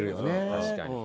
確かに。